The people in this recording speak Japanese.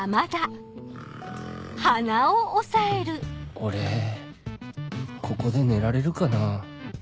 俺ここで寝られるかなぁ